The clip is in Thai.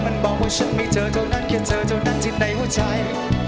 มันบอกว่าฉันไม่เจอเท่านั้นแค่เธอเท่านั้นที่ในหัวใจ